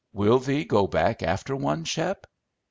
"Will thee go back after one, Shep?"